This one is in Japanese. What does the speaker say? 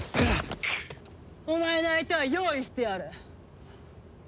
お前の相手は用意してある。